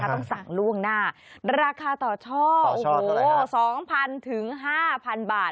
ต้องสั่งล่วงหน้าราคาต่อช่อโอ้โห๒๐๐๐ถึง๕๐๐บาท